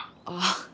ああ。